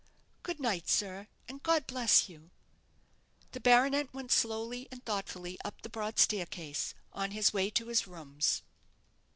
"Good night, sir, and God bless you!" The baronet went slowly and thoughtfully up the broad staircase, on his way to his rooms.